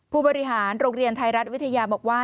ผู้บริหารโรงเรียนไทยรัฐวิทยาบอกว่า